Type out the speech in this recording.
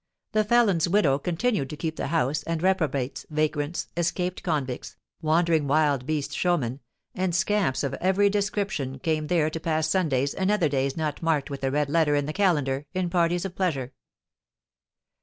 The felon's widow continued to keep the house, and reprobates, vagrants, escaped convicts, wandering wild beast showmen, and scamps of every description came there to pass Sundays and other days not marked with a red letter in the calendar, in parties of pleasure.